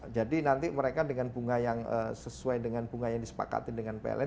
jadi nanti mereka dengan bunga yang sesuai dengan bunga yang disepakati dengan pln